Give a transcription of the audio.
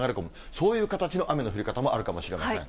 そういう形の雨の降り方もあるかもしれません。